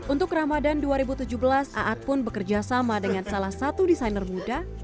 untuk ramadan dua ribu tujuh belas aad pun bekerja sama dengan salah satu desainer muda